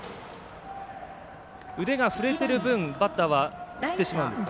腕が振れてる分、バッターは振ってしまうんですか。